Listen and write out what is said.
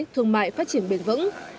thương mại phát triển bền vững